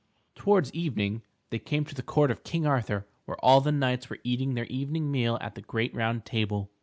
Towards evening, they came to the Court of King Arthur where all the knights were eating their evening meal at the great round table.